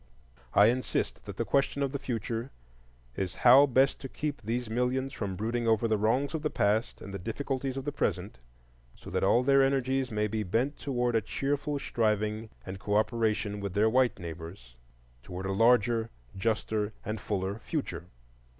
I insist that the question of the future is how best to keep these millions from brooding over the wrongs of the past and the difficulties of the present, so that all their energies may be bent toward a cheerful striving and cooperation with their white neighbors toward a larger, juster, and fuller future.